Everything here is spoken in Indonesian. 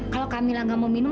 kalau kamila nggak mau minum